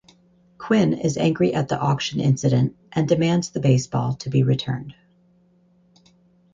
Quinn is angry at the auction incident and demands the baseball to be returned.